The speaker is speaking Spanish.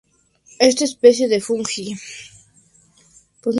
Esta especie de fungi.